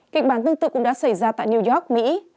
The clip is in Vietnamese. kịch bản tương tự cũng đã xảy ra tại new york mỹ